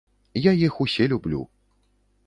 Я іх усе люблю.